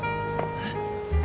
えっ？